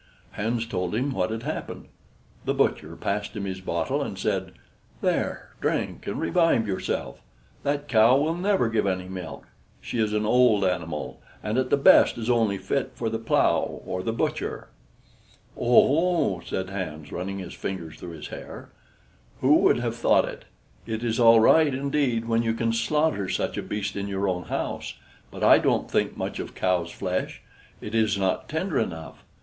Hans told him what had happened. The butcher passed him his bottle and said: "There, drink and revive yourself. That cow will never give any milk; she is an old animal and, at the best, is only fit for the plow or the butcher." "Oho!" said Hans, running his fingers through his hair. "Who would have thought it? It is all right indeed when you can slaughter such a beast in your own house. But I don't think much of cow's flesh; it is not tender enough.